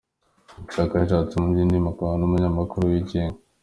Umushakashatsi mu by’indimi akaba n’umunyamakuru wigenga.